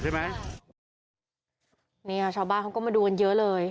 ชาวบ้านต้องมาดูกันเยอะเลย